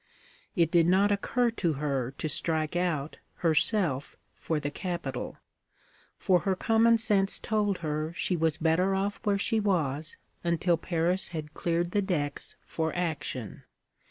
It did not occur to her to strike out, herself, for the capital; for her common sense told her she was better off where she was until Paris had cleared the decks for action.